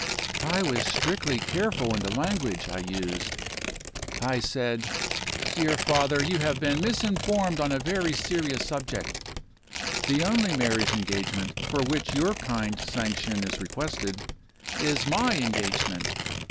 I was strictly careful in the language I used. I said: 'Dear father, you have been misinformed on a very serious subject. The only marriage engagement for which your kind sanction is requested, is my engagement.